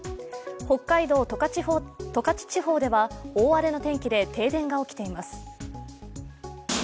北海道十勝地方では大荒れの天気で停電が起きています。